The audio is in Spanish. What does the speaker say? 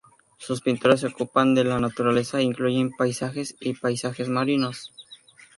Sus pinturas se ocupan de la naturaleza e incluyen paisajes y paisajes marinos.